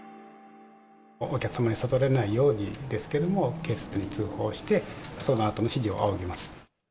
お客様に悟られないようにですけれども、警察に通報して、そのあとの指示を仰ぎます。